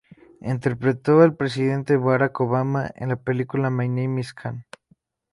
Interpretó al presidente Barack Obama en la película "My Name Is Khan".